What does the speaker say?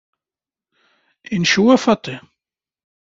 Incew, a Faaṭi!